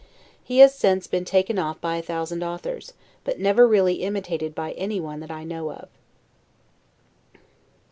He has since been taken off by a thousand authors: but never really imitated by anyone that I know of.